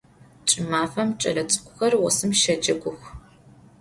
Ç'ımafem ç'elets'ık'uxer vosım şecegux.